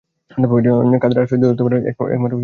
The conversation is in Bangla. খাদ্যের আশ্রয়দোষ ধরতে পারা একমাত্র ঠাকুরকেই দেখেছি।